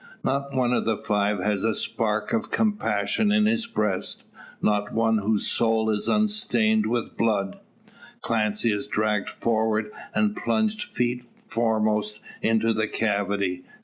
Not one of the five has a spark of compassion in his breast not one whose soul is unstained with blood. Clancy is dragged forward, and plunged feet foremost into the cavity.